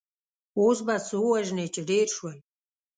اوس به څو وژنې چې ډېر شول.